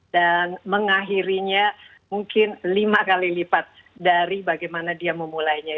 dan mengakhirinya mungkin lima kali lipat dari bagaimana dia memulainya